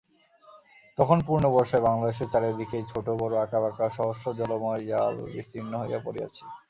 তখন পূর্ণবর্ষায় বাংলাদেশের চারি দিকেই ছোটো বড়ো আঁকাবাঁকা সহস্র জলময় জাল বিস্তীর্ণ হইয়া পড়িয়াছে।